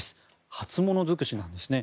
初物尽くしなんですね。